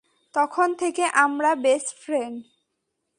তখন থেকে আমরা বেস্ট ফ্রেন্ড।